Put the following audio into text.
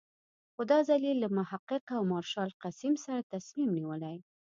خو دا ځل یې له محقق او مارشال قسیم سره تصمیم نیولی.